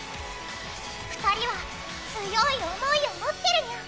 ２人は強い想いを持ってるニャン！